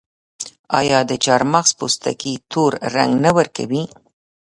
آیا د چارمغز پوستکي تور رنګ نه ورکوي؟